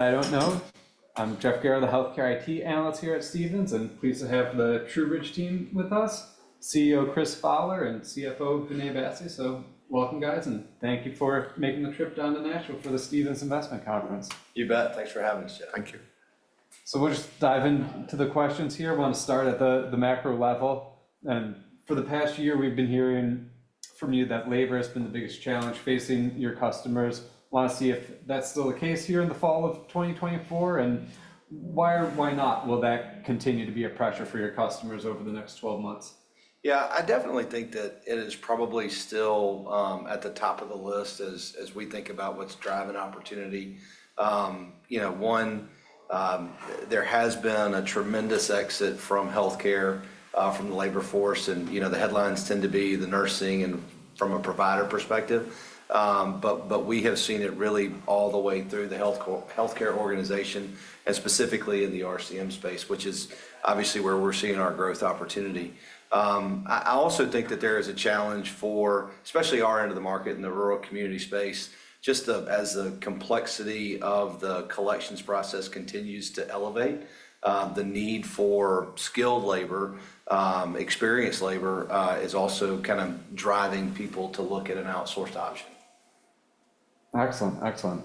I'm Jeff Garrett, the Healthcare IT Analyst here at Stephens, and pleased to have the TruBridge team with us, CEO Chris Fowler and CFO Vinay Bassi. So welcome, guys, and thank you for making the trip down to Nashville for the Stephens Investment Conference. You bet. Thanks for having us, Jeff. Thank you, so we'll just dive into the questions here. I want to start at the macro level, and for the past year, we've been hearing from you that labor has been the biggest challenge facing your customers. I want to see if that's still the case here in the fall of 2024, and why not? Will that continue to be a pressure for your customers over the next 12 months? Yeah, I definitely think that it is probably still at the top of the list as we think about what's driving opportunity. You know, one, there has been a tremendous exit from healthcare, from the labor force, and you know, the headlines tend to be the nursing and from a provider perspective, but we have seen it really all the way through the healthcare organization and specifically in the RCM space, which is obviously where we're seeing our growth opportunity. I also think that there is a challenge for especially our end of the market in the rural community space, just as the complexity of the collections process continues to elevate. The need for skilled labor, experienced labor, is also kind of driving people to look at an outsourced option. Excellent. Excellent.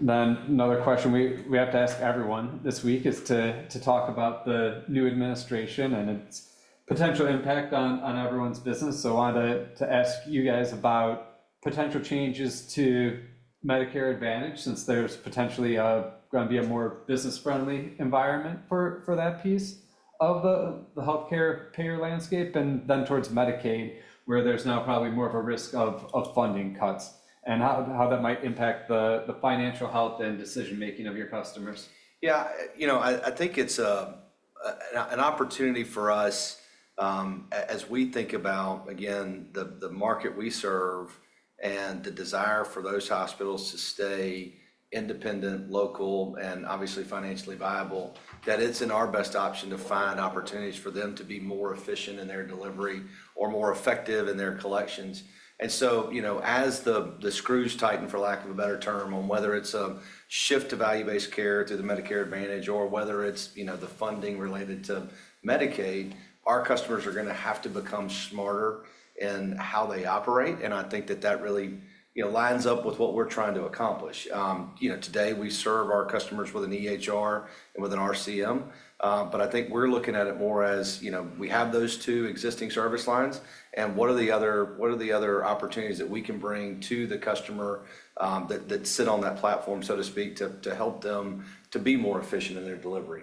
Then another question we have to ask everyone this week is to talk about the new administration and its potential impact on everyone's business. So I wanted to ask you guys about potential changes to Medicare Advantage since there's potentially going to be a more business-friendly environment for that piece of the healthcare payer landscape. And then towards Medicaid, where there's now probably more of a risk of funding cuts and how that might impact the financial health and decision-making of your customers. Yeah, you know, I think it's an opportunity for us as we think about, again, the market we serve and the desire for those hospitals to stay independent, local, and obviously financially viable, that it's in our best option to find opportunities for them to be more efficient in their delivery or more effective in their collections. And so, you know, as the screws tighten for lack of a better term on whether it's a shift to value-based care through the Medicare Advantage or whether it's, you know, the funding related to Medicaid, our customers are going to have to become smarter in how they operate. And I think that that really lines up with what we're trying to accomplish. You know, today we serve our customers with an EHR and with an RCM. But I think we're looking at it more as, you know, we have those two existing service lines. And what are the other opportunities that we can bring to the customer that sit on that platform, so to speak, to help them to be more efficient in their delivery?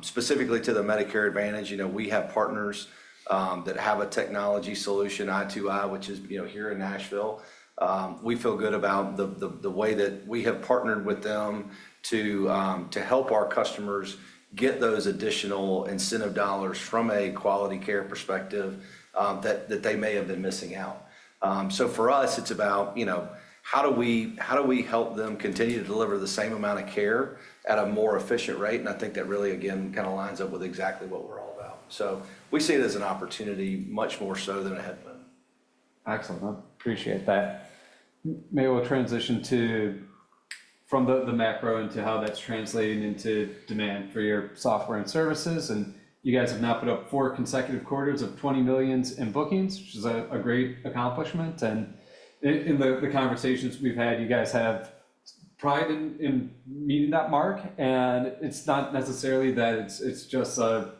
Specifically to the Medicare Advantage, you know, we have partners that have a technology solution, i2i, which is here in Nashville. We feel good about the way that we have partnered with them to help our customers get those additional incentive dollars from a quality care perspective that they may have been missing out. So for us, it's about, you know, how do we help them continue to deliver the same amount of care at a more efficient rate? And I think that really, again, kind of lines up with exactly what we're all about. So we see it as an opportunity, much more so than it had been. Excellent. I appreciate that. Maybe we'll transition from the macro into how that's translating into demand for your software and services. And you guys have now put up four consecutive quarters of $20 million in bookings, which is a great accomplishment. And in the conversations we've had, you guys have pride in meeting that mark. And it's not necessarily that it's just an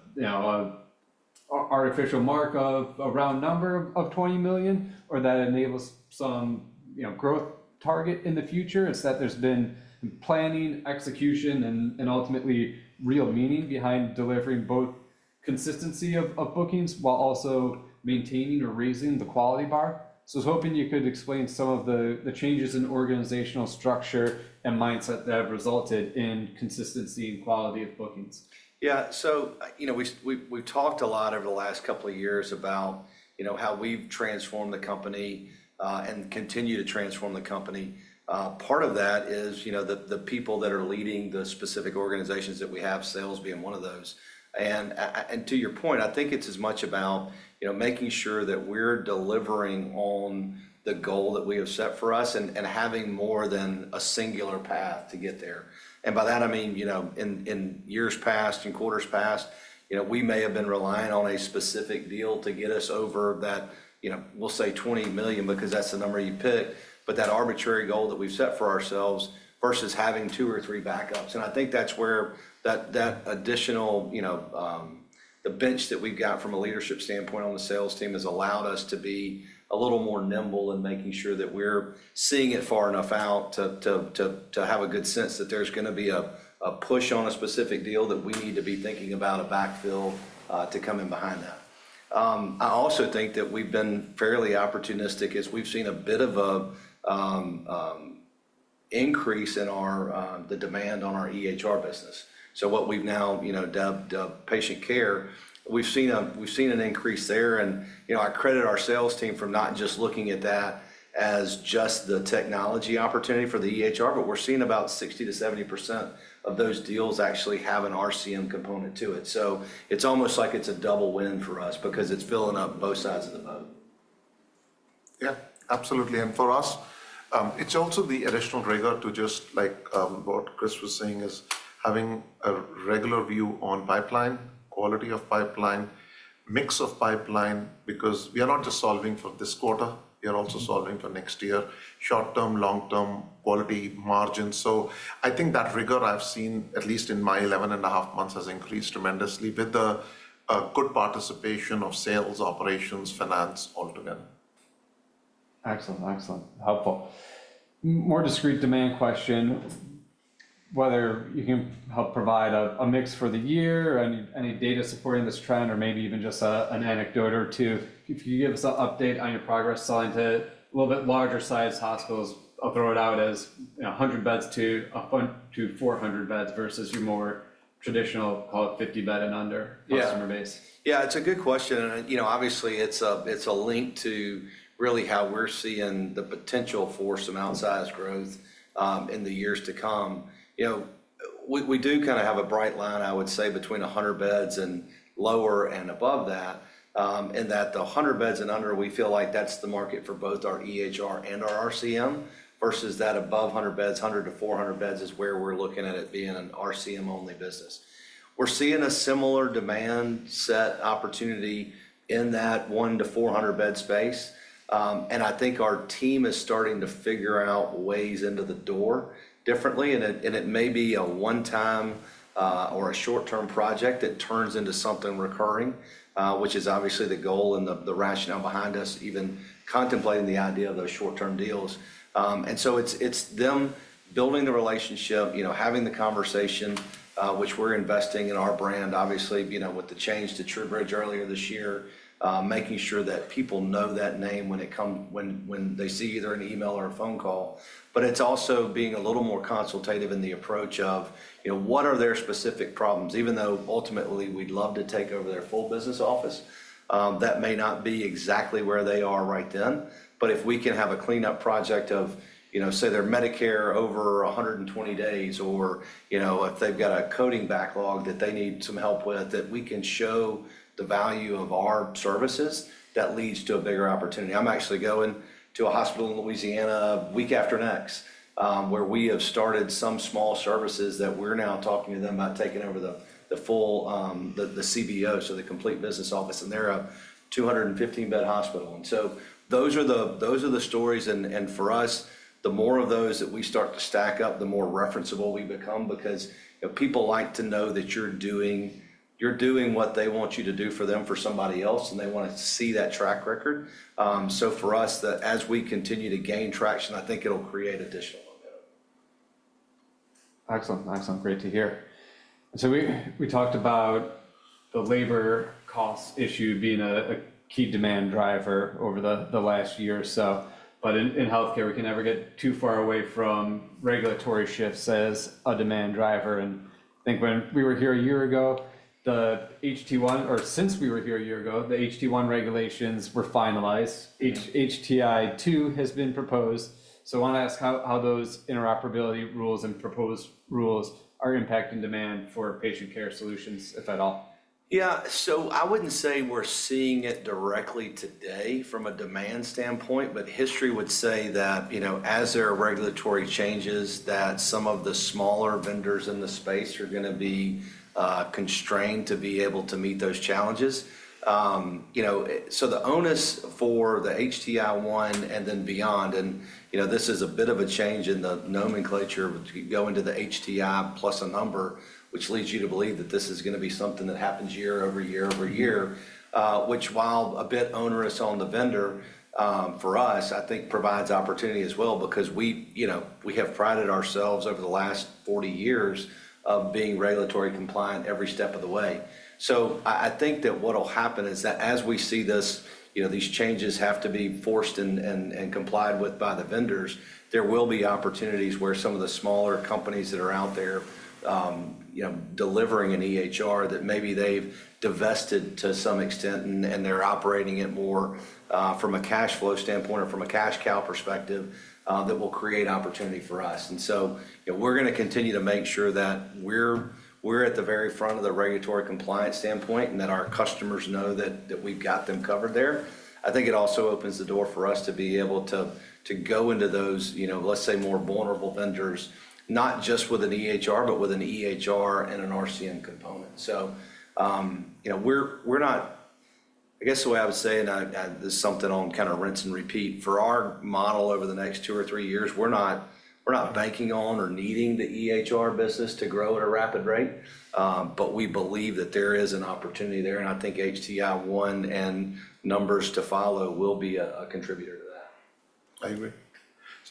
artificial mark of a round number of $20 million or that enables some growth target in the future. It's that there's been planning, execution, and ultimately real meaning behind delivering both consistency of bookings while also maintaining or raising the quality bar. So I was hoping you could explain some of the changes in organizational structure and mindset that have resulted in consistency and quality of bookings. Yeah. So, you know, we've talked a lot over the last couple of years about how we've transformed the company and continue to transform the company. Part of that is, you know, the people that are leading the specific organizations that we have, sales being one of those. And to your point, I think it's as much about making sure that we're delivering on the goal that we have set for us and having more than a singular path to get there. And by that, I mean, you know, in years past and quarters past, you know, we may have been relying on a specific deal to get us over that, you know, we'll say $20 million because that's the number you pick, but that arbitrary goal that we've set for ourselves versus having two or three backups. And I think that's where that additional, you know, the bench that we've got from a leadership standpoint on the sales team has allowed us to be a little more nimble in making sure that we're seeing it far enough out to have a good sense that there's going to be a push on a specific deal that we need to be thinking about a backfill to come in behind that. I also think that we've been fairly opportunistic as we've seen a bit of an increase in the demand on our EHR business. So what we've now dubbed Patient Care, we've seen an increase there. And, you know, I credit our sales team for not just looking at that as just the technology opportunity for the EHR, but we're seeing about 60%-70% of those deals actually have an RCM component to it. So it's almost like it's a double win for us because it's filling up both sides of the boat. Yeah, absolutely. And for us, it's also the additional rigor to just like what Chris was saying is having a regular view on pipeline, quality of pipeline, mix of pipeline, because we are not just solving for this quarter, we are also solving for next year, short term, long term, quality margins. So I think that rigor I've seen, at least in my 11 and a half months, has increased tremendously with the good participation of sales, operations, finance altogether. Excellent. Excellent. Helpful. More discreet demand question, whether you can help provide a mix for the year or any data supporting this trend or maybe even just an anecdote or two. If you can give us an update on your progress selling to a little bit larger size hospitals, I'll throw it out as 100 beds to 400 beds versus your more traditional, call it 50-bed and under customer base. Yeah, it's a good question. And, you know, obviously it's a link to really how we're seeing the potential for some outsized growth in the years to come. You know, we do kind of have a bright line, I would say, between 100 beds and lower and above that, in that the 100 beds and under, we feel like that's the market for both our EHR and our RCM versus that above 100 beds, 100 to 400 beds is where we're looking at it being an RCM only business. We're seeing a similar demand set opportunity in that one to 400 bed space. And I think our team is starting to figure out ways into the door differently. And it may be a one-time or a short-term project that turns into something recurring, which is obviously the goal and the rationale behind us even contemplating the idea of those short-term deals. And so it's them building the relationship, you know, having the conversation, which we're investing in our brand, obviously, you know, with the change to TruBridge earlier this year, making sure that people know that name when they see either an email or a phone call. But it's also being a little more consultative in the approach of, you know, what are their specific problems? Even though ultimately we'd love to take over their full business office, that may not be exactly where they are right then. But if we can have a cleanup project of, you know, say their Medicare over 120 days or, you know, if they've got a coding backlog that they need some help with, that we can show the value of our services, that leads to a bigger opportunity. I'm actually going to a hospital in Louisiana a week after next where we have started some small services that we're now talking to them about taking over the full, the CBO, so the Complete Business office. And they're a 215-bed hospital. And so those are the stories. And for us, the more of those that we start to stack up, the more referenceable we become because people like to know that you're doing what they want you to do for them for somebody else, and they want to see that track record. so for us, as we continue to gain traction, I think it'll create additional momentum. Excellent. Excellent. Great to hear. So we talked about the labor cost issue being a key demand driver over the last year or so. But in healthcare, we can never get too far away from regulatory shifts as a demand driver. And I think when we were here a year ago, the HTI-1, or since we were here a year ago, the HTI-1 regulations were finalized. HTI-2 has been proposed. So I want to ask how those interoperability rules and proposed rules are impacting demand for patient care solutions, if at all. Yeah, so I wouldn't say we're seeing it directly today from a demand standpoint, but history would say that, you know, as there are regulatory changes, that some of the smaller vendors in the space are going to be constrained to be able to meet those challenges. You know, so the onus for the HTI-1 and then beyond, and you know, this is a bit of a change in the nomenclature going to the HTI plus a number, which leads you to believe that this is going to be something that happens year over year over year, which while a bit onerous on the vendor for us, I think provides opportunity as well because we, you know, we have prided ourselves over the last 40 years of being regulatory compliant every step of the way. I think that what will happen is that as we see this, you know, these changes have to be forced and complied with by the vendors. There will be opportunities where some of the smaller companies that are out there, you know, delivering an EHR that maybe they've divested to some extent and they're operating it more from a cash flow standpoint or from a cash cow perspective that will create opportunity for us. You know, we're going to continue to make sure that we're at the very front of the regulatory compliance standpoint and that our customers know that we've got them covered there. I think it also opens the door for us to be able to go into those, you know, let's say more vulnerable vendors, not just with an EHR, but with an EHR and an RCM component. You know, we're not, I guess the way I would say, and this is something on kind of rinse and repeat for our model over the next two or three years, we're not banking on or needing the EHR business to grow at a rapid rate, but we believe that there is an opportunity there. I think HTI-1 and numbers to follow will be a contributor to that. I agree.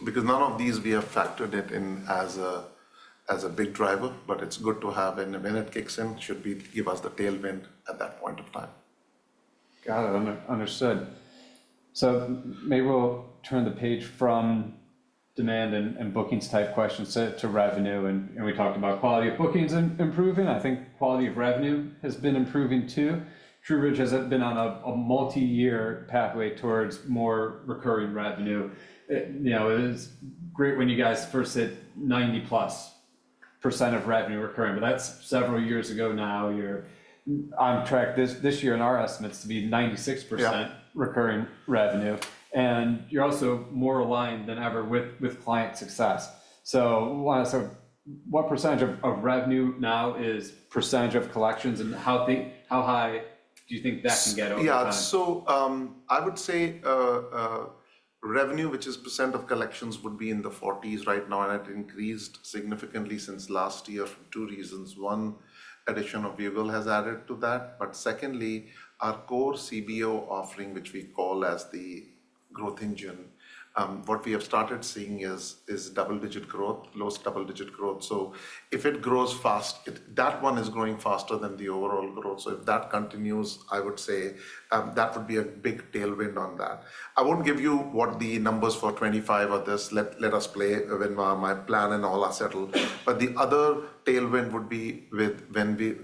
Because none of these we have factored it in as a big driver, but it's good to have in the meantime kicks in, should be to give us the tailwind at that point in time. Got it. Understood. So maybe we'll turn the page from demand and bookings type questions to revenue. And we talked about quality of bookings improving. I think quality of revenue has been improving too. TruBridge has been on a multi-year pathway towards more recurring revenue. You know, it's great when you guys first said 90+% of revenue recurring, but that's several years ago now. You're on track this year in our estimates to be 96% recurring revenue. And you're also more aligned than ever with client success. So what percentage of revenue now is percentage of collections and how high do you think that can get over the last? Yeah. So I would say revenue, which is % of collections, would be in the 40s right now, and it increased significantly since last year for two reasons. One, addition of Viewgol has added to that. But secondly, our core CBO offering, which we call as the growth engine, what we have started seeing is double-digit growth, lowest double-digit growth. So if it grows fast, that one is growing faster than the overall growth. So if that continues, I would say that would be a big tailwind on that. I won't give you what the numbers for 25 or this. Let us play when my plan and all are settled. But the other tailwind would be with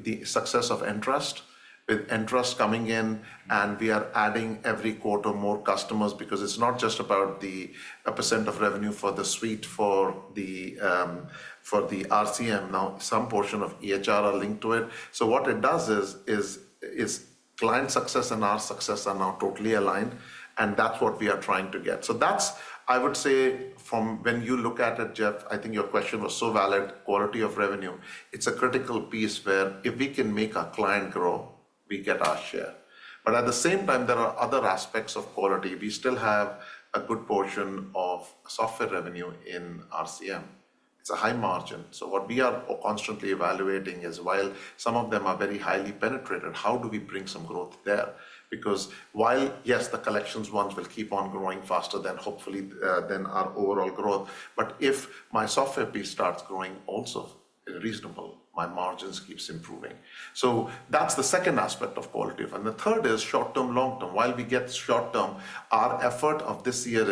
the success of nTrust, with nTrust coming in and we are adding every quarter more customers because it's not just about the % of revenue for the suite for the RCM. Now, some portion of EHR are linked to it, so what it does is client success and our success are now totally aligned, and that's what we are trying to get, so that's, I would say, from when you look at it, Jeff. I think your question was so valid: quality of revenue. It's a critical piece where if we can make our client grow, we get our share, but at the same time, there are other aspects of quality. We still have a good portion of software revenue in RCM. It's a high margin, so what we are constantly evaluating is while some of them are very highly penetrated, how do we bring some growth there? Because while, yes, the collections ones will keep on growing faster than, hopefully, our overall growth, but if my software piece starts growing also reasonably, my margins keep improving. So that's the second aspect of quality. And the third is short-term, long-term. While we get short-term, our effort of this year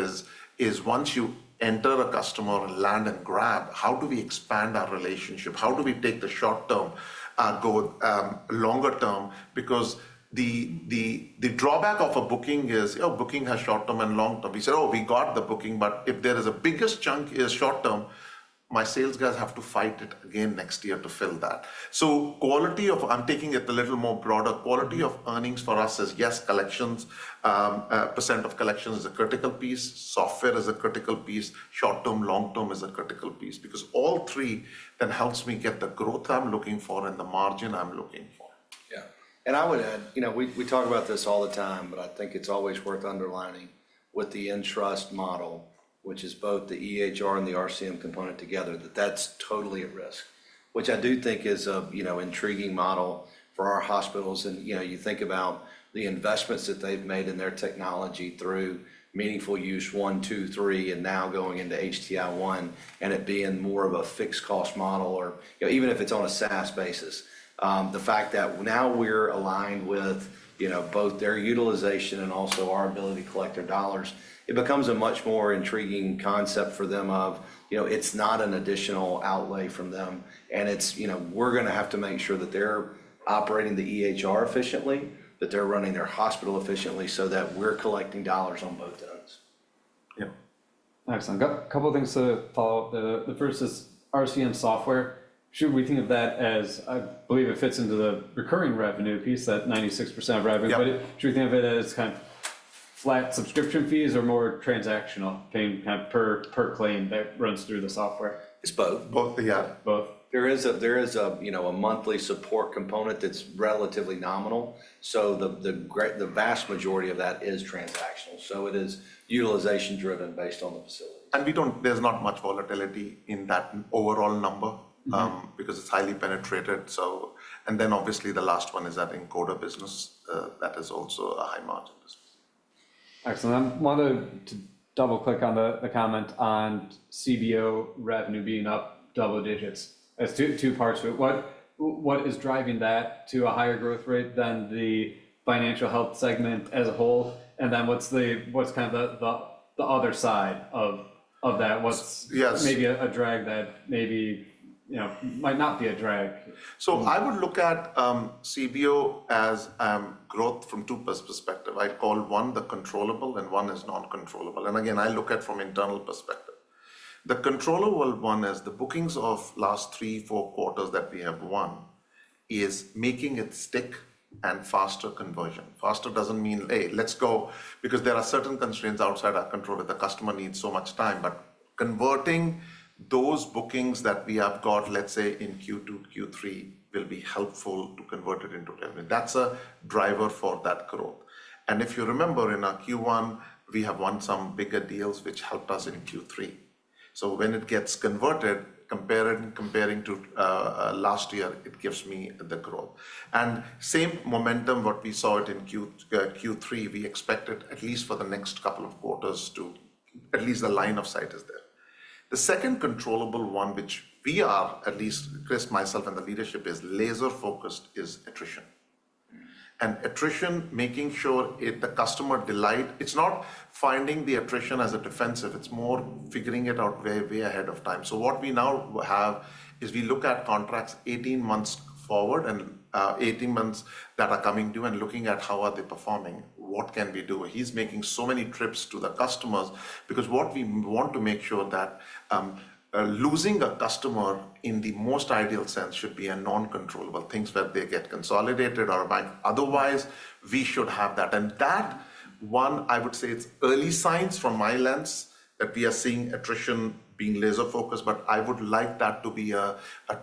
is once you enter a customer and land and grab, how do we expand our relationship? How do we take the short-term go longer term? Because the drawback of a booking is, oh, booking has short-term and long-term. We say, oh, we got the booking, but if there is a biggest chunk is short-term, my sales guys have to fight it again next year to fill that. So quality of, I'm taking it a little more broader, quality of earnings for us is, yes, collections, percent of collections is a critical piece. Software is a critical piece. Short-term, long-term is a critical piece because all three then helps me get the growth I'm looking for and the margin I'm looking for. Yeah. And I would add, you know, we talk about this all the time, but I think it's always worth underlining with the nTrust model, which is both the EHR and the RCM component together, that that's totally at risk, which I do think is a, you know, intriguing model for our hospitals. And, you know, you think about the investments that they've made in their technology through Meaningful Use one, two, three, and now going into HTI-1 and it being more of a fixed cost model or, you know, even if it's on a SaaS basis, the fact that now we're aligned with, you know, both their utilization and also our ability to collect their dollars, it becomes a much more intriguing concept for them of, you know, it's not an additional outlay from them. It's, you know, we're going to have to make sure that they're operating the EHR efficiently, that they're running their hospital efficiently so that we're collecting dollars on both ends. Yeah. Excellent. A couple of things to follow up there. The first is RCM software. Should we think of that as, I believe it fits into the recurring revenue piece, that 96% of revenue, but should we think of it as kind of flat subscription fees or more transactional paying kind of per claim that runs through the software? It's both. Both, yeah. Both. There is a, you know, a monthly support component that's relatively nominal. So the vast majority of that is transactional. So it is utilization driven based on the facility. There's not much volatility in that overall number because it's highly penetrated. Obviously the last one is that Encoder business that is also a high margin business. Excellent. I want to double click on the comment on CBO revenue being up double digits. There's two parts to it. What is driving that to a higher growth rate than the Financial Health segment as a whole? What's kind of the other side of that? What's maybe a drag that maybe, you know, might not be a drag? So I would look at CBO as growth from two perspectives. I'd call one the controllable and one is non-controllable. And again, I look at it from an internal perspective. The controllable one is the bookings of last three, four quarters that we have won is making it stick and faster conversion. Faster doesn't mean, hey, let's go because there are certain constraints outside our control that the customer needs so much time, but converting those bookings that we have got, let's say in Q2, Q3 will be helpful to convert it into revenue. That's a driver for that growth. And if you remember in our Q1, we have won some bigger deals which helped us in Q3. So when it gets converted, comparing to last year, it gives me the growth. And same momentum, what we saw in Q3, we expect at least for the next couple of quarters. At least the line of sight is there. The second controllable one, which we are—at least Chris, myself, and the leadership—is laser focused is attrition. And attrition, making sure the customer delight, it's not finding the attrition as a defensive. It's more figuring it out way ahead of time. So what we now have is we look at contracts 18 months forward and 18 months that are coming to and looking at how are they performing, what can we do? He's making so many trips to the customers because what we want to make sure that losing a customer in the most ideal sense should be a non-controllable thing where they get consolidated or otherwise we should have that. That one, I would say it's early signs from my lens that we are seeing attrition being laser focused, but I would like that to be a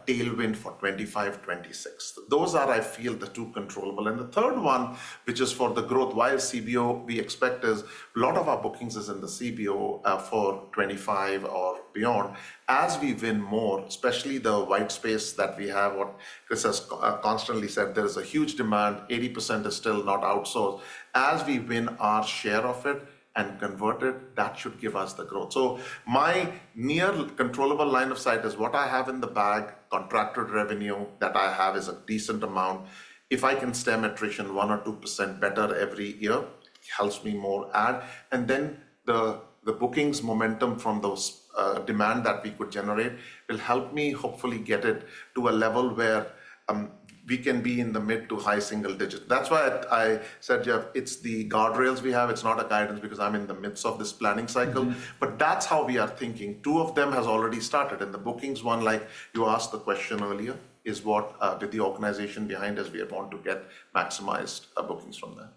tailwind for 2025, 2026. Those are, I feel, the two controllable. The third one, which is for the growth, while CBO we expect is a lot of our bookings is in the CBO for 2025 or beyond. As we win more, especially the white space that we have, what Chris has constantly said, there is a huge demand, 80% is still not outsourced. As we win our share of it and convert it, that should give us the growth. So my near controllable line of sight is what I have in the bag, contractor revenue that I have is a decent amount. If I can stem attrition one or 2% better every year, it helps me more add. And then the bookings momentum from those demand that we could generate will help me hopefully get it to a level where we can be in the mid- to high single digits. That's why I said, Jeff, it's the guardrails we have. It's not a guidance because I'm in the midst of this planning cycle, but that's how we are thinking. Two of them have already started and the bookings one, like you asked the question earlier, is what did the organization behind us. We want to get maximized bookings from that.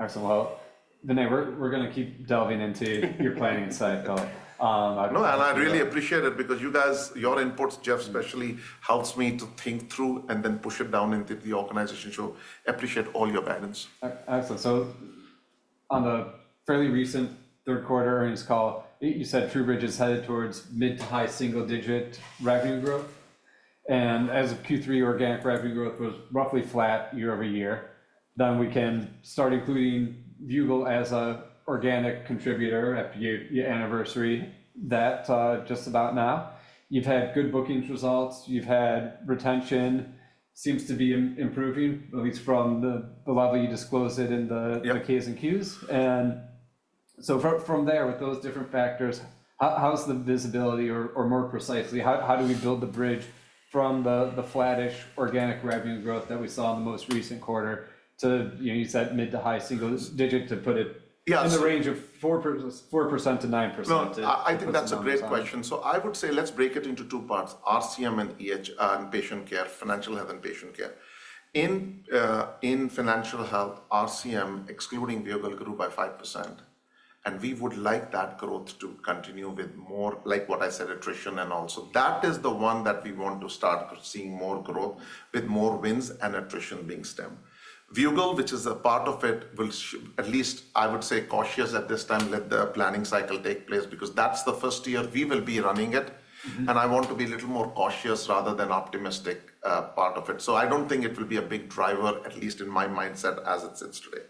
Excellent. Well, Vinay, we're going to keep delving into your planning insight, Bill. No, and I really appreciate it because you guys, your inputs, Jeff, especially helps me to think through and then push it down into the organization. So appreciate all your guidance. Excellent. So on the fairly recent third quarter earnings call, you said TruBridge is headed towards mid to high single digit revenue growth. And as of Q3, organic revenue growth was roughly flat year over year. Then we can start including Viewgol as an organic contributor after your anniversary that just about now. You've had good bookings results. You've had retention. Seems to be improving, at least from the level you disclosed it in the Ks and Qs. And so from there, with those different factors, how's the visibility or more precisely, how do we build the bridge from the flat-ish organic revenue growth that we saw in the most recent quarter to, you know, you said mid to high single digit to put it in the range of 4%-9%? I think that's a great question. So I would say let's break it into two parts, RCM and Patient Care, Financial Health and Patient Care. In Financial Health, RCM excluding Viewgol grew by 5%. And we would like that growth to continue with more, like what I said, attrition and also. That is the one that we want to start seeing more growth with more wins and attrition being stemmed. Viewgol, which is a part of it, will at least I would say cautious at this time, let the planning cycle take place because that's the first year we will be running it. And I want to be a little more cautious rather than optimistic part of it. So I don't think it will be a big driver, at least in my mindset as it sits today.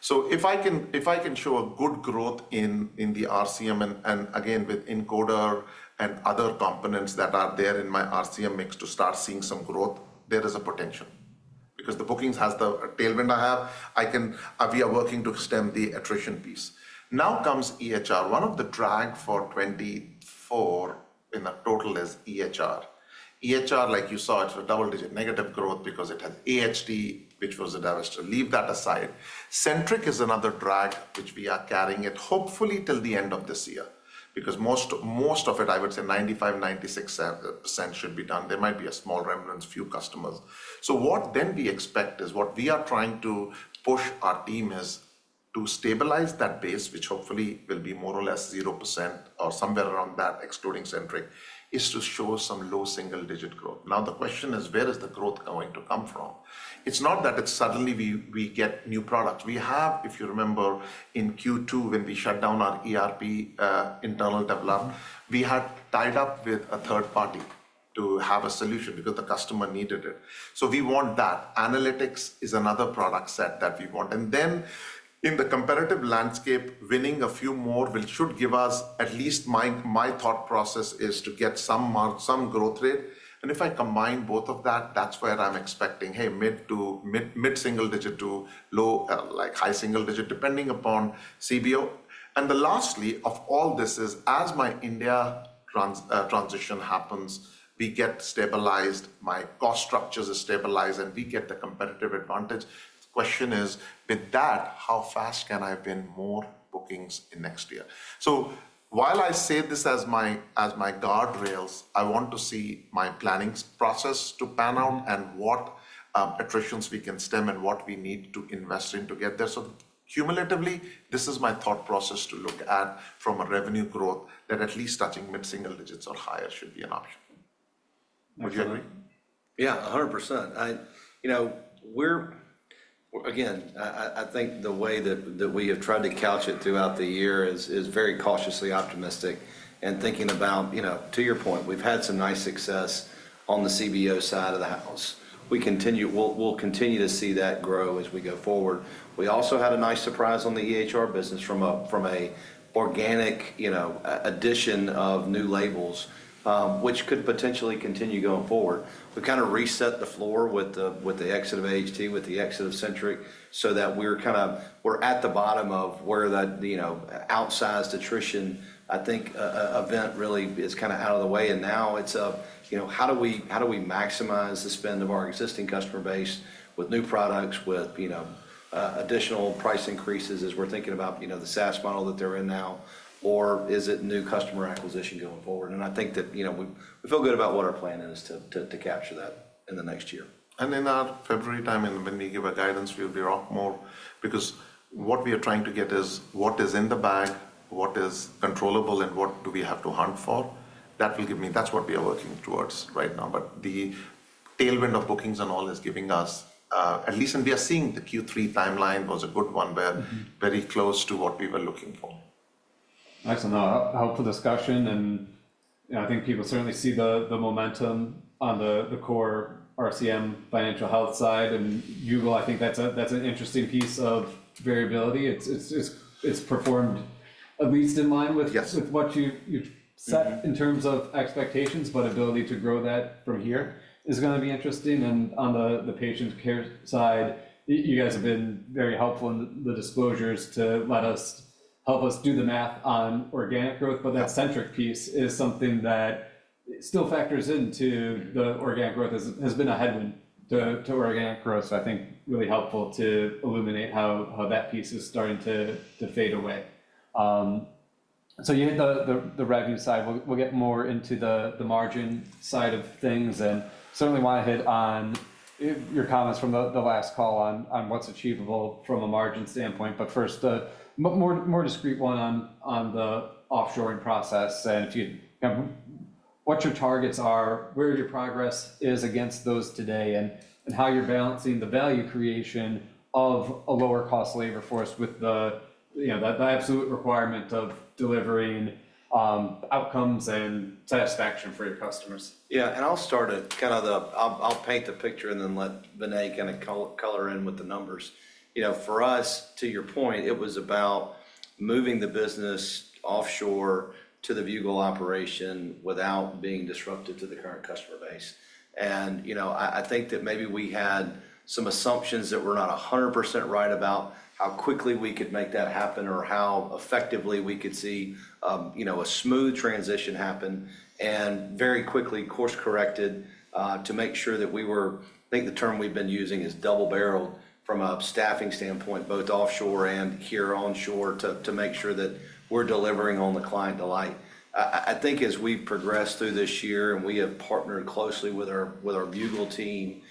So if I can show a good growth in the RCM and again with Encoder and other components that are there in my RCM mix to start seeing some growth, there is a potential because the bookings has the tailwind I have. I can, we are working to stem the attrition piece. Now comes EHR. One of the drag for 2024 in the total is EHR. EHR, like you saw, it's a double-digit negative growth because it has AHT, which was a divestiture. Leave that aside. Centriq is another drag which we are carrying it hopefully till the end of this year because most of it, I would say 95%-96% should be done. There might be a small remnant, few customers. So, what we expect is what we are trying to push our team is to stabilize that base, which hopefully will be more or less 0% or somewhere around that, excluding Centriq, is to show some low single-digit growth. Now the question is, where is the growth going to come from? It's not that it's suddenly we get new products. We have, if you remember in Q2 when we shut down our ERP internal development, we had tied up with a third party to have a solution because the customer needed it. So we want that. Analytics is another product set that we want. And then in the competitive landscape, winning a few more should give us at least my thought process is to get some growth rate. And if I combine both of that, that's where I'm expecting, hey, mid- to mid-single-digit to low, like high-single-digit, depending upon CBO. And lastly of all this is as my India transition happens, we get stabilized, my cost structures are stabilized and we get the competitive advantage. The question is with that, how fast can I win more bookings in next year? So while I say this as my guardrails, I want to see my planning process to pan out and what attritions we can stem and what we need to invest in to get there. So cumulatively, this is my thought process to look at from a revenue growth that at least touching mid-single-digits or higher should be an option. Would you agree? Yeah, 100%. You know, we're, again, I think the way that we have tried to couch it throughout the year is very cautiously optimistic and thinking about, you know, to your point, we've had some nice success on the CBO side of the house. We'll continue to see that grow as we go forward. We also had a nice surprise on the EHR business from an organic, you know, addition of new labels, which could potentially continue going forward. We kind of reset the floor with the exit of HTI-1, with the exit of Centriq so that we're kind of, we're at the bottom of where that, you know, outsized attrition, I think event really is kind of out of the way. And now it's a, you know, how do we maximize the spend of our existing customer base with new products, with, you know, additional price increases as we're thinking about, you know, the SaaS model that they're in now, or is it new customer acquisition going forward? And I think that, you know, we feel good about what our plan is to capture that in the next year. In that February, I mean, when we give a guidance, we'll be a lot more because what we are trying to get is what is in the bag, what is controllable and what do we have to hunt for. That will give me. That's what we are working towards right now. But the tailwind of bookings and all is giving us, at least, and we are seeing the Q3 timeline was a good one where we're very close to what we were looking for. Excellent. Very helpful discussion. I think people certainly see the momentum on the core RCM financial health side and Viewgol. I think that's an interesting piece of variability. It's performed at least in line with what you've set in terms of expectations, but ability to grow that from here is going to be interesting. On the patient care side, you guys have been very helpful in the disclosures to let us help us do the math on organic growth, but that Centriq piece is something that still factors into the organic growth. It has been a headwind to organic growth. I think really helpful to illuminate how that piece is starting to fade away. So you hit the revenue side. We'll get more into the margin side of things and certainly want to hit on your comments from the last call on what's achievable from a margin standpoint, but first a more discreet one on the offshoring process and what your targets are, where your progress is against those today, and how you're balancing the value creation of a lower cost labor force with the, you know, the absolute requirement of delivering outcomes and satisfaction for your customers. Yeah. And I'll paint the picture and then let Vinay kind of color in with the numbers. You know, for us, to your point, it was about moving the business offshore to the Viewgol operation without being disruptive to the current customer base. And, you know, I think that maybe we had some assumptions that we're not 100% right about how quickly we could make that happen or how effectively we could see, you know, a smooth transition happen and very quickly course corrected to make sure that we were, I think the term we've been using is double-barreled from a staffing standpoint, both offshore and here onshore to make sure that we're delivering on the client delight. I think as we progress through this year and we have partnered closely with our Viewgol team,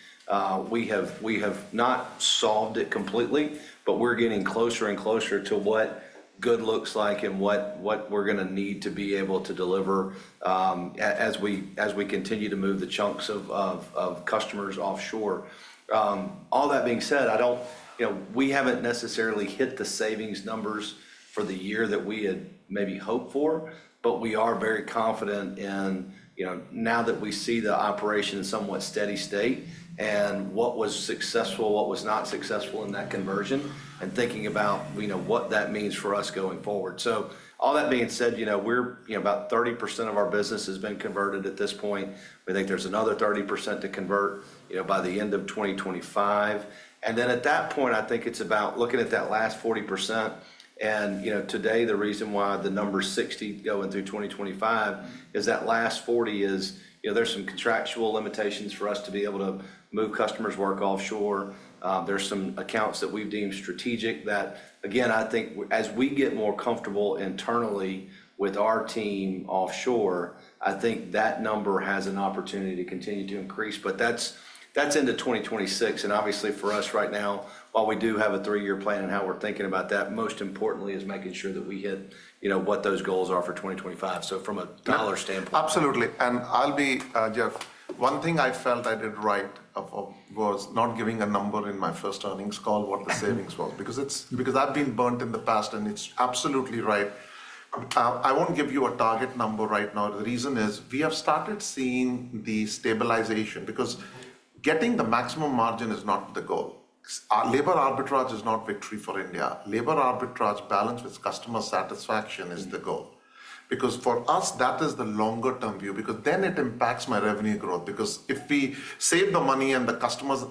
we have not solved it completely, but we're getting closer and closer to what good looks like and what we're going to need to be able to deliver as we continue to move the chunks of customers offshore. All that being said, I don't, you know, we haven't necessarily hit the savings numbers for the year that we had maybe hoped for, but we are very confident in, you know, now that we see the operation in somewhat steady state and what was successful, what was not successful in that conversion and thinking about, you know, what that means for us going forward. So all that being said, you know, we're, you know, about 30% of our business has been converted at this point. We think there's another 30% to convert, you know, by the end of 2025, and then at that point, I think it's about looking at that last 40%. And, you know, today, the reason why the number 60% going through 2025 is that last 40 is, you know, there's some contractual limitations for us to be able to move customers' work offshore. There's some accounts that we've deemed strategic that, again, I think as we get more comfortable internally with our team offshore, I think that number has an opportunity to continue to increase, but that's into 2026, and obviously for us right now, while we do have a three-year plan and how we're thinking about that, most importantly is making sure that we hit, you know, what those goals are for 2025. So from a dollar standpoint. Absolutely. And I'll be, Jeff, one thing I felt I did right was not giving a number in my first earnings call what the savings was because I've been burnt in the past and it's absolutely right. I won't give you a target number right now. The reason is we have started seeing the stabilization because getting the maximum margin is not the goal. Labor arbitrage is not victory for India. Labor arbitrage balance with customer satisfaction is the goal because for us, that is the longer-term view because then it impacts my revenue growth because if we save the money and the customer's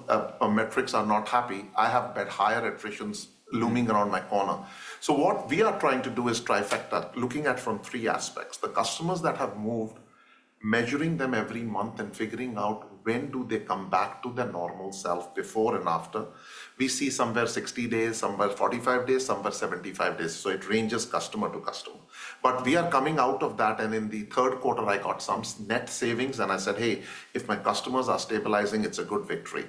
metrics are not happy, I have bet higher attritions looming around my corner. So what we are trying to do is trifecta, looking at from three aspects. The customers that have moved, measuring them every month and figuring out when do they come back to their normal self before and after. We see somewhere 60 days, somewhere 45 days, somewhere 75 days. So it ranges customer to customer. But we are coming out of that. And in the third quarter, I got some net savings and I said, hey, if my customers are stabilizing, it's a good victory.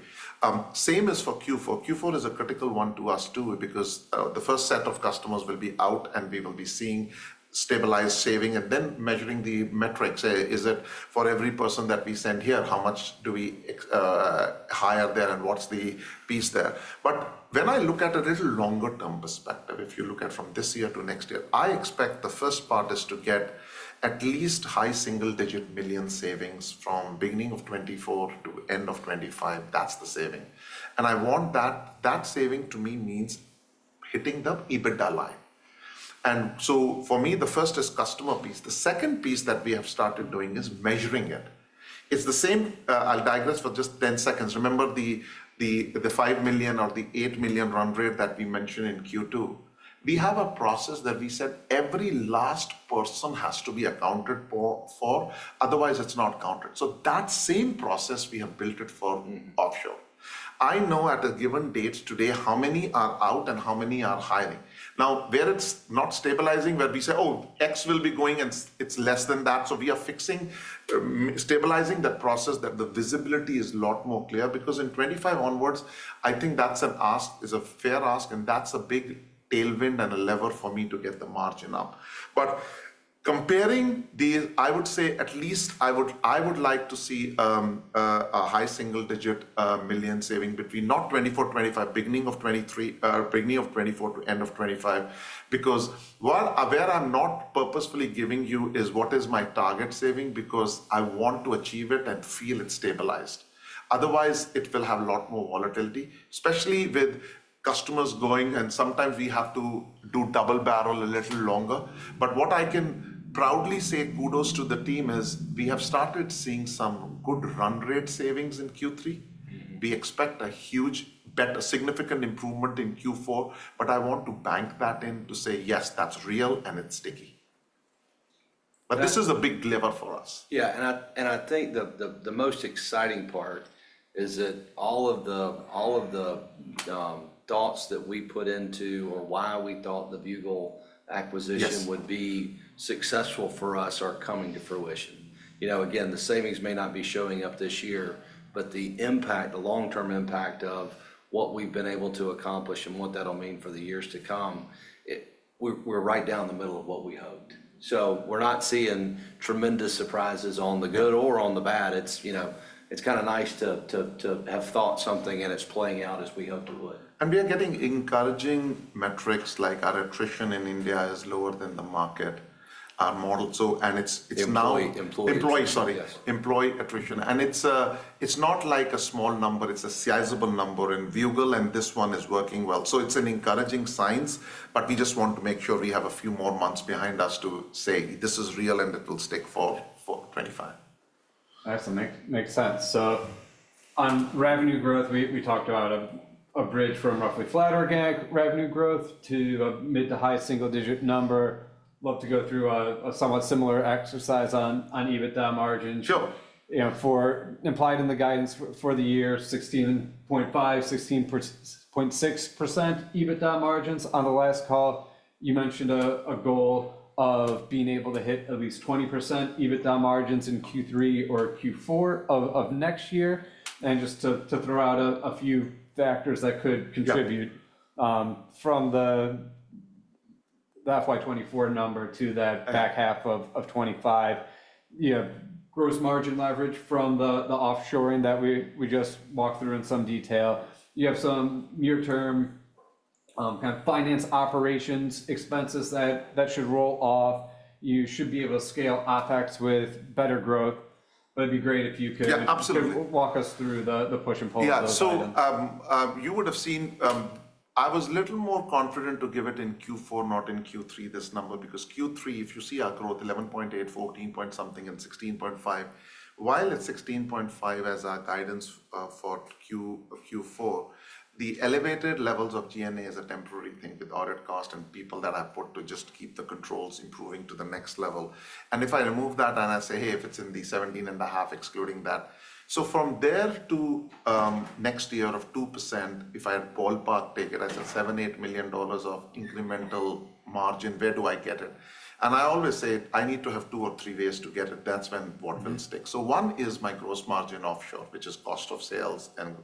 Same is for Q4. Q4 is a critical one to us too because the first set of customers will be out and we will be seeing stabilized saving and then measuring the metrics. Is it for every person that we send here, how much do we hire there and what's the piece there? But when I look at a little longer-term perspective, if you look at from this year to next year, I expect the first part is to get at least high single-digit million savings from beginning of 2024 to end of 2025. That's the saving. And I want that saving to me means hitting the EBITDA line. And so for me, the first is customer piece. The second piece that we have started doing is measuring it. It's the same. I'll digress for just 10 seconds. Remember the $5 million or the $8 million run rate that we mentioned in Q2? We have a process that we said every last person has to be accounted for, otherwise it's not counted. So that same process we have built it for offshore. I know at a given date today how many are out and how many are hiring. Now where it's not stabilizing, where we say, oh, X will be going and it's less than that. So we are fixing, stabilizing the process that the visibility is a lot more clear because in 2025 onwards, I think that's an ask, is a fair ask and that's a big tailwind and a lever for me to get the margin up. But comparing these, I would say at least I would like to see a high single-digit million saving between not 2024, 2025, beginning of 2023, beginning of 2024 to end of 2025 because where I'm not purposefully giving you is what is my target saving because I want to achieve it and feel it stabilized. Otherwise, it will have a lot more volatility, especially with customers going and sometimes we have to do double-barrel a little longer. But what I can proudly say kudos to the team is we have started seeing some good run rate savings in Q3. We expect a huge significant improvement in Q4, but I want to bank that in to say, yes, that's real and it's sticky. But this is a big lever for us. Yeah. And I think the most exciting part is that all of the thoughts that we put into or why we thought the Viewgol acquisition would be successful for us are coming to fruition. You know, again, the savings may not be showing up this year, but the impact, the long-term impact of what we've been able to accomplish and what that'll mean for the years to come, we're right down the middle of what we hoped. So we're not seeing tremendous surprises on the good or on the bad. It's, you know, it's kind of nice to have thought something and it's playing out as we hoped it would. And we're getting encouraging metrics like our attrition in India is lower than the market, our model. So, and it's now. Employee employee. Employee, sorry, employee attrition, and it's not like a small number. It's a sizable number in Viewgol, and this one is working well, so it's an encouraging sign, but we just want to make sure we have a few more months behind us to say this is real and it will stick for 2025. That makes sense. So on revenue growth, we talked about a bridge from roughly flat organic revenue growth to a mid to high single-digit number. Love to go through a somewhat similar exercise on EBITDA margins. Sure. You know, for implied in the guidance for the year, 16.5%-16.6% EBITDA margins. On the last call, you mentioned a goal of being able to hit at least 20% EBITDA margins in Q3 or Q4 of next year. And just to throw out a few factors that could contribute from the FY24 number to that back half of 25, you have gross margin leverage from the offshoring that we just walked through in some detail. You have some near-term kind of finance operations expenses that should roll off. You should be able to scale OpEx with better growth. It'd be great if you could walk us through the push and pull. Yeah. So you would have seen, I was a little more confident to give it in Q4, not in Q3, this number because Q3, if you see our growth, 11.8%, 14 point something% and 16.5%. While at 16.5% as our guidance for Q4, the elevated levels of G&A is a temporary thing with audit cost and people that I put to just keep the controls improving to the next level. And if I remove that and I say, hey, if it's in the 17.5% excluding that. So from there to next year of 2%, if I had ballpark take it as a $7 million-$8 million of incremental margin, where do I get it? And I always say I need to have two or three ways to get it. That's when what will stick. So one is my gross margin offshore, which is cost of sales, and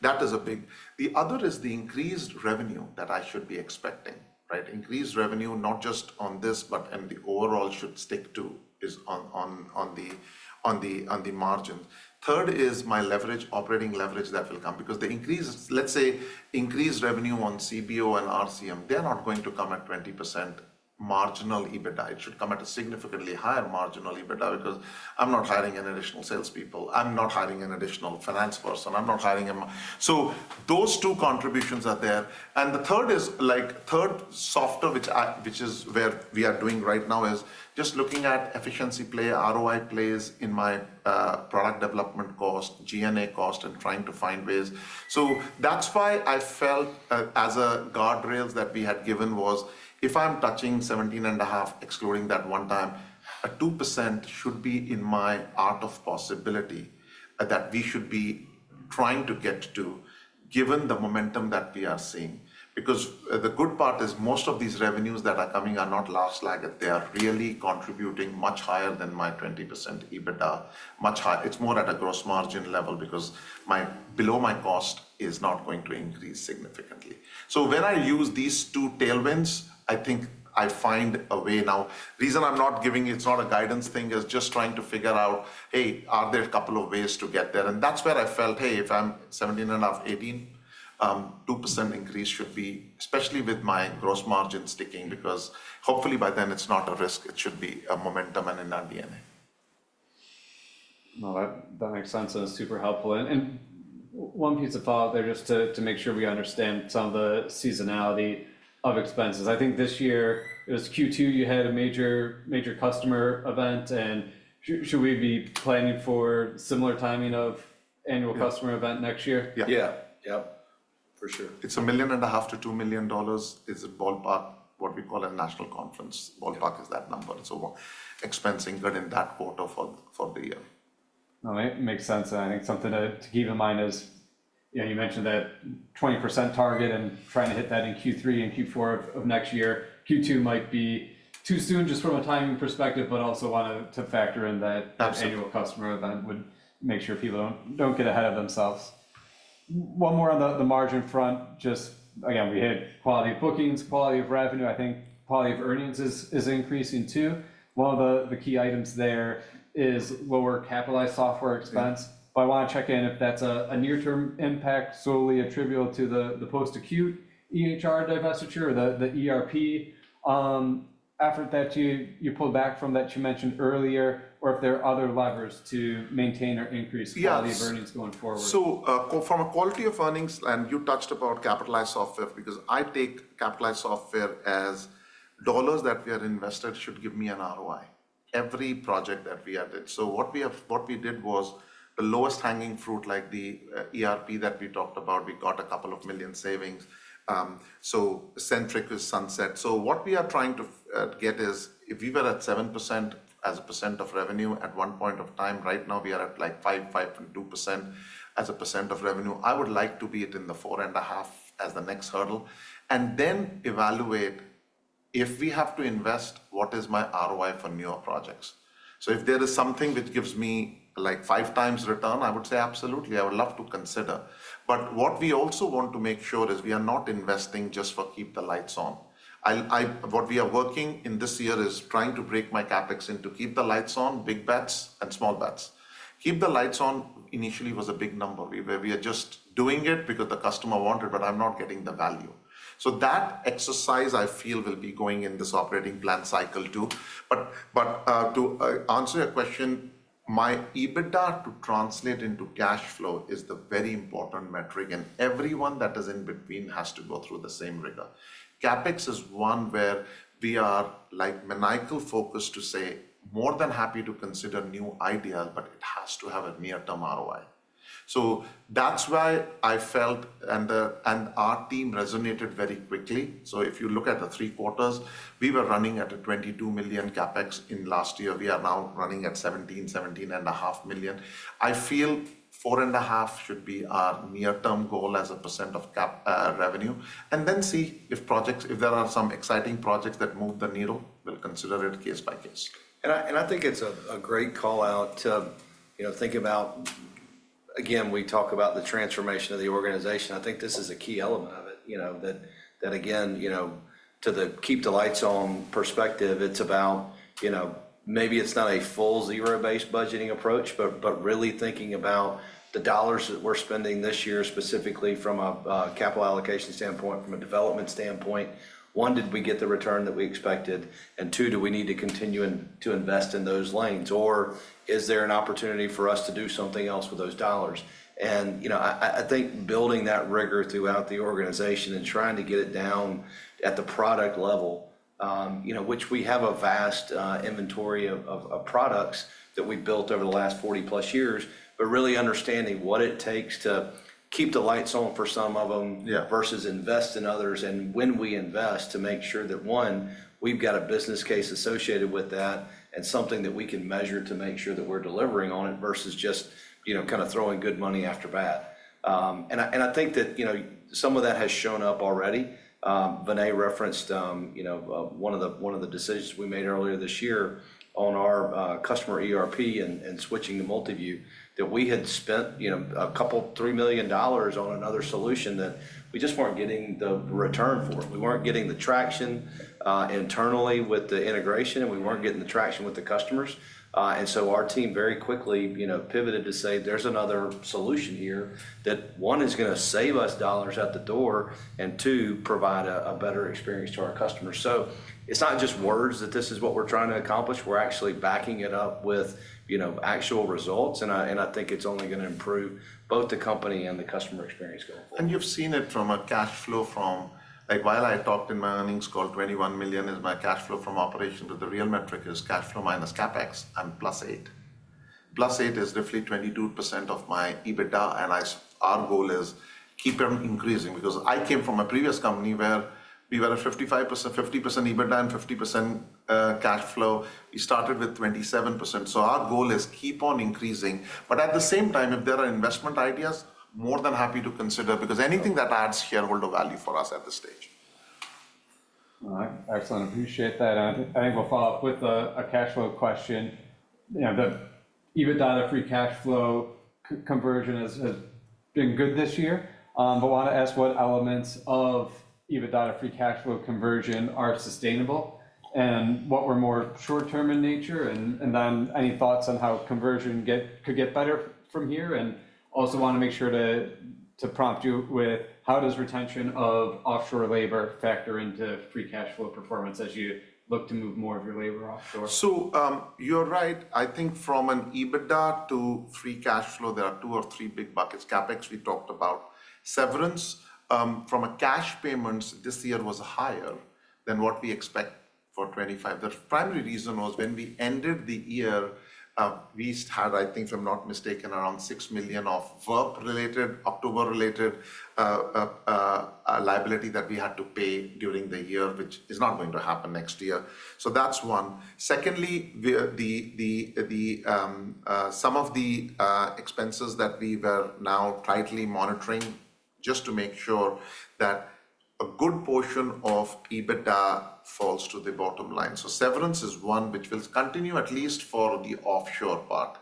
that is a big. The other is the increased revenue that I should be expecting, right? Increased revenue, not just on this, but in the overall should stick to is on the margins. Third is my leverage, operating leverage that will come because the increase, let's say increased revenue on CBO and RCM; they're not going to come at 20% marginal EBITDA. It should come at a significantly higher marginal EBITDA because I'm not hiring an additional salespeople. I'm not hiring an additional finance person. I'm not hiring them. So those two contributions are there. And the third is like third softer, which is where we are doing right now is just looking at efficiency play, ROI plays in my product development cost, G&A cost, and trying to find ways. So that's why I felt that the guardrails that we had given was if I'm touching 17.5, excluding that one time, a 2% should be in the art of the possible that we should be trying to get to given the momentum that we are seeing. Because the good part is most of these revenues that are coming are not lagged. They are really contributing much higher than my 20% EBITDA, much higher. It's more at a gross margin level because below that, my cost is not going to increase significantly. So when I use these two tailwinds, I think I find a way now. The reason I'm not giving, it's not a guidance thing is just trying to figure out, hey, are there a couple of ways to get there? That's where I felt, hey, if I'm 17 and a half, 18, 2% increase should be, especially with my gross margin sticking because hopefully by then it's not a risk. It should be a momentum and in our DNA. That makes sense and it's super helpful. And one piece of thought there just to make sure we understand some of the seasonality of expenses. I think this year it was Q2 you had a major customer event and should we be planning for similar timing of annual customer event next year? Yeah. Yep. For sure. It's $1.5 million-$2 million. It's a ballpark, what we call a national conference. Ballpark is that number. So expense increment in that quarter for the year. All right. Makes sense, and I think something to keep in mind is, you know, you mentioned that 20% target and trying to hit that in Q3 and Q4 of next year. Q2 might be too soon just from a timing perspective, but also want to factor in that annual customer event would make sure people don't get ahead of themselves. One more on the margin front, just again, we had quality of bookings, quality of revenue. I think quality of earnings is increasing too. One of the key items there is lower capitalized software expense. But I want to check in if that's a near-term impact, solely attributable to the post-acute EHR divestiture or the ERP effort that you pulled back from that you mentioned earlier, or if there are other levers to maintain or increase quality of earnings going forward. From a quality of earnings, and you touched about capitalized software because I take capitalized software as dollars that we are invested should give me an ROI every project that we added. What we did was the lowest hanging fruit, like the ERP that we talked about, we got $2 million savings. Centriq sunset. What we are trying to get is if we were at 7% as a percent of revenue at one point of time, right now we are at like 5, 5.2% as a percent of revenue. I would like to be at 4.5% as the next hurdle and then evaluate if we have to invest, what is my ROI for newer projects. If there is something which gives me like five times return, I would say absolutely. I would love to consider. But what we also want to make sure is we are not investing just to keep the lights on. What we are working on this year is trying to break my CapEx into keep the lights on, big bets, and small bets. Keep the lights on initially was a big number. We are just doing it because the customer wanted, but I'm not getting the value. So that exercise, I feel, will be going in this operating plan cycle too. But to answer your question, my EBITDA to translate into cash flow is the very important metric, and everyone that is in between has to go through the same rigor. CapEx is one where we are like maniacally focused to say more than happy to consider new ideas, but it has to have a near-term ROI. So that's why I felt and our team resonated very quickly. So if you look at the three quarters, we were running at a $22 million CapEx last year. We are now running at $17, $17.5 million. I feel 4.5% should be our near-term goal as a percent of revenue. And then see if projects, if there are some exciting projects that move the needle, we'll consider it case by case. I think it's a great call out to, you know, think about, again, we talk about the transformation of the organization. I think this is a key element of it, you know, that again, you know, to the keep the lights on perspective, it's about, you know, maybe it's not a full zero-based budgeting approach, but really thinking about the dollars that we're spending this year specifically from a capital allocation standpoint, from a development standpoint. One, did we get the return that we expected? And two, do we need to continue to invest in those lanes? Or is there an opportunity for us to do something else with those dollars? And, you know, I think building that rigor throughout the organization and trying to get it down at the product level, you know, which we have a vast inventory of products that we've built over the last 40 plus years, but really understanding what it takes to keep the lights on for some of them versus invest in others. And when we invest to make sure that one, we've got a business case associated with that and something that we can measure to make sure that we're delivering on it versus just, you know, kind of throwing good money after bad. And I think that, you know, some of that has shown up already. Vinay referenced, you know, one of the decisions we made earlier this year on our customer ERP and switching to Multiview that we had spent, you know, a couple $3 million on another solution that we just weren't getting the return for. We weren't getting the traction internally with the integration and we weren't getting the traction with the customers. Our team very quickly, you know, pivoted to say there's another solution here that, one, is going to save us dollars at the door and, two, provide a better experience to our customers. It's not just words that this is what we're trying to accomplish. We're actually backing it up with, you know, actual results. I think it's only going to improve both the company and the customer experience going forward. You've seen it from a cash flow from, like while I talked in my earnings call, $21 million is my cash flow from operations. The real metric is cash flow minus CapEx and plus AHT. Plus AHT is roughly 22% of my EBITDA. Our goal is keeping increasing because I came from a previous company where we were a 55%, 50% EBITDA and 50% cash flow. We started with 27%. Our goal is keep on increasing. At the same time, if there are investment ideas, more than happy to consider because anything that adds shareholder value for us at this stage. All right. Excellent. Appreciate that. I think we'll follow up with a cash flow question. You know, the EBITDA to free cash flow conversion has been good this year, but I want to ask what elements of EBITDA to free cash flow conversion are sustainable and what were more short-term in nature? And then any thoughts on how conversion could get better from here? And also want to make sure to prompt you with how does retention of offshore labor factor into free cash flow performance as you look to move more of your labor offshore? So you're right. I think from an EBITDA to free cash flow, there are two or three big buckets. CapEx we talked about. Severance from a cash payments this year was higher than what we expect for 2025. The primary reason was when we ended the year, we had, I think if I'm not mistaken, around $6 million of VERP related, October related liability that we had to pay during the year, which is not going to happen next year. So that's one. Secondly, some of the expenses that we were now tightly monitoring just to make sure that a good portion of EBITDA falls to the bottom line. So severance is one which will continue at least for the offshore part.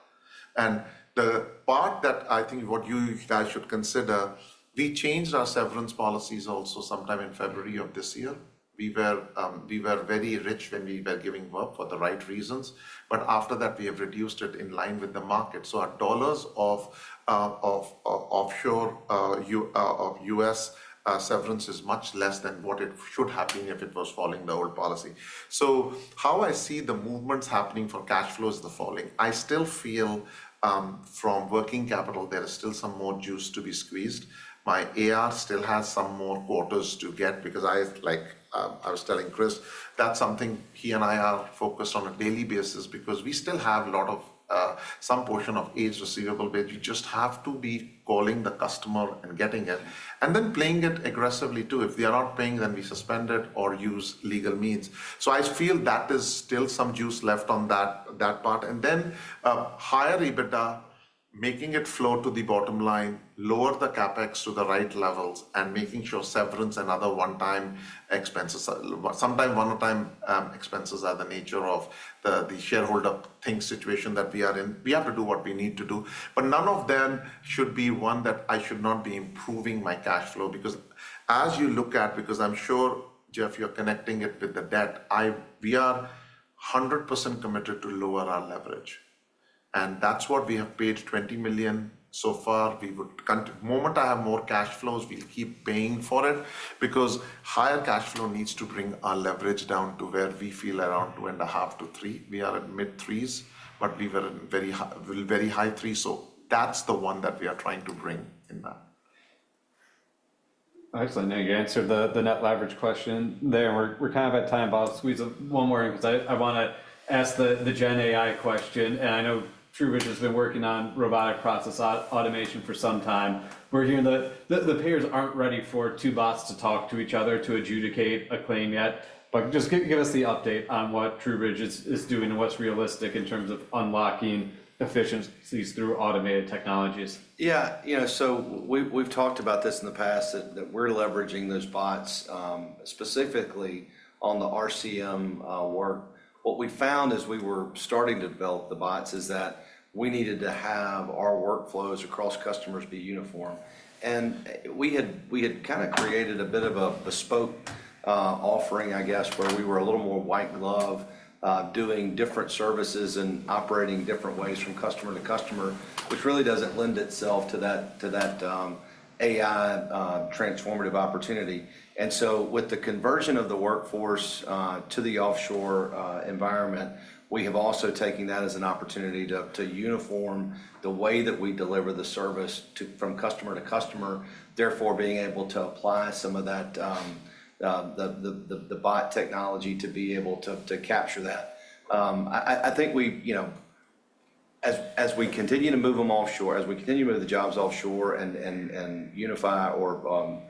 And the part that I think what you guys should consider, we changed our severance policies also sometime in February of this year. We were very rich when we were giving VERP for the right reasons, but after that we have reduced it in line with the market, so our dollars of offshore US severance is much less than what it should have been if it was following the old policy, so how I see the movements happening for cash flow is the following. I still feel from working capital, there is still some more juice to be squeezed. My AR still has some more quarters to get because I, like I was telling Chris, that's something he and I are focused on a daily basis because we still have a lot of some portion of aged receivable where you just have to be calling the customer and getting it and then playing it aggressively too. If they are not paying, then we suspend it or use legal means. So I feel that there's still some juice left on that part. And then higher EBITDA, making it flow to the bottom line, lower the CapEx to the right levels and making sure severance and other one-time expenses. Sometimes one-time expenses are the nature of the shareholder thing situation that we are in. We have to do what we need to do, but none of them should be one that I should not be improving my cash flow because as you look at, because I'm sure Jeff, you're connecting it with the debt. We are 100% committed to lower our leverage. And that's what we have paid $20 million so far. We would, the moment I have more cash flows, we'll keep paying for it because higher cash flow needs to bring our leverage down to where we feel around 2.5-3. We are at mid threes, but we were in very high three. So that's the one that we are trying to bring in that. Excellent. Now you answered the net leverage question there. We're kind of at time, Bob. Squeeze one more because I want to ask the GenAI question, and I know TruBridge has been working on robotic process automation for some time. We're hearing the payers aren't ready for two bots to talk to each other to adjudicate a claim yet, but just give us the update on what TruBridge is doing and what's realistic in terms of unlocking efficiencies through automated technologies. Yeah, you know, so we've talked about this in the past that we're leveraging those bots specifically on the RCM work. What we found as we were starting to develop the bots is that we needed to have our workflows across customers be uniform. And we had kind of created a bit of a bespoke offering, I guess, where we were a little more white glove doing different services and operating different ways from customer to customer, which really doesn't lend itself to that AI transformative opportunity. And so with the conversion of the workforce to the offshore environment, we have also taken that as an opportunity to uniform the way that we deliver the service from customer to customer, therefore being able to apply some of that, the bot technology to be able to capture that. I think we, you know, as we continue to move them offshore, as we continue to move the jobs offshore and unify or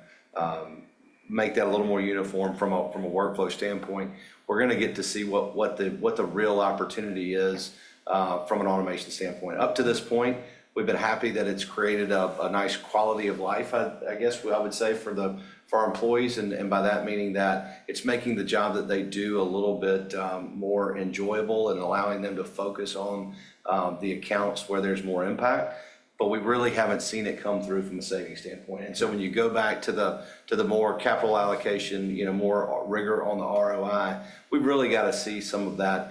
make that a little more uniform from a workflow standpoint, we're going to get to see what the real opportunity is from an automation standpoint. Up to this point, we've been happy that it's created a nice quality of life, I guess I would say for our employees, and by that, meaning that it's making the job that they do a little bit more enjoyable and allowing them to focus on the accounts where there's more impact, but we really haven't seen it come through from a savings standpoint. And so when you go back to the more capital allocation, you know, more rigor on the ROI, we've really got to see some of that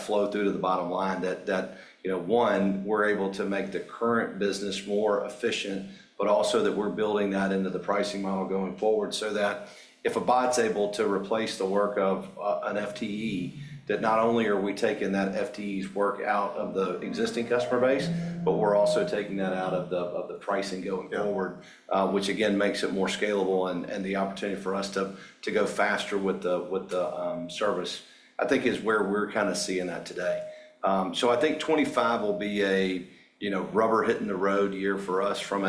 flow through to the bottom line that, you know, one, we're able to make the current business more efficient, but also that we're building that into the pricing model going forward so that if a bot's able to replace the work of an FTE, that not only are we taking that FTE's work out of the existing customer base, but we're also taking that out of the pricing going forward, which again makes it more scalable. And the opportunity for us to go faster with the service, I think is where we're kind of seeing that today. So, I think 2025 will be a, you know, rubber hitting the road year for us from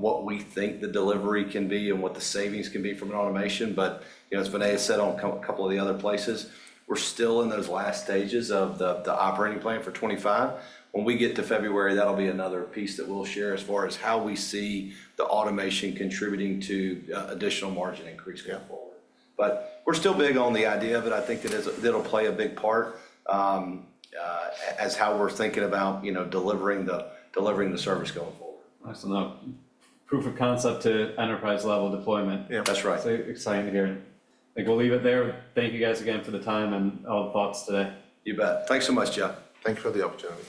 what we think the delivery can be and what the savings can be from an automation. But, you know, as Vinay has said on a couple of the other places, we're still in those last stages of the operating plan for 2025. When we get to February, that'll be another piece that we'll share as far as how we see the automation contributing to additional margin increase going forward. But we're still big on the idea of it. I think that it'll play a big part as how we're thinking about, you know, delivering the service going forward. Nice to know. Proof of concept to enterprise level deployment. Yeah, that's right. It's exciting to hear. I think we'll leave it there. Thank you guys again for the time and all the thoughts today. You bet. Thanks so much, Jeff. Thanks for the opportunity.